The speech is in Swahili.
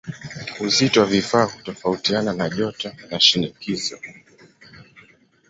Uzito wa vifaa hutofautiana na joto na shinikizo.